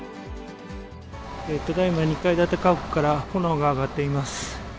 ただいま、２階建て家屋から炎が上がっています。